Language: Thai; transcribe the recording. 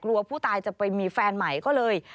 ผู้ตายจะไปมีแฟนใหม่ก็เลย